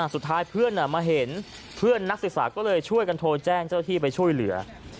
สุดท้ายเพื่อนมาเห็นเพื่อนนักศึกษาก็เลยช่วยกันโทรแจ้งเจ้าที่ไปช่วยเหลือ